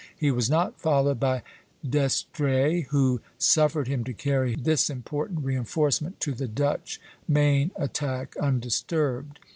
He was not followed by D'Estrées, who suffered him to carry this important reinforcement to the Dutch main attack undisturbed.